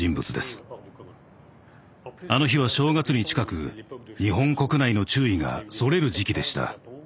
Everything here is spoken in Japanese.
あの日は正月に近く日本国内の注意がそれる時期でした。